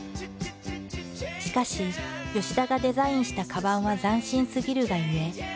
しかし田がデザインしたカバンは斬新すぎるがゆえ